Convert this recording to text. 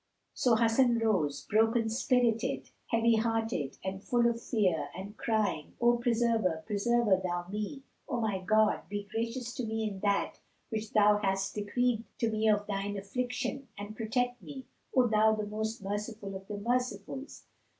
So Hasan arose, broken spirited, heavy hearted, and full of fear, and crying, "O Preserver, preserve Thou me! O my God, be gracious to me in that which Thou hast decreed to me of Thine affliction and protect me, O Thou the most Merciful of the Mercifuls!"